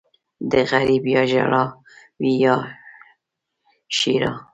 ـ د غريب يا ژړا وي يا ښېرا.